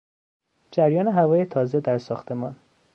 جریان هوای تازه در ساختمان